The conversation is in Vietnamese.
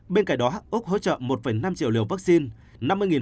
bên cạnh đó úc hỗ trợ một năm triệu liều vaccine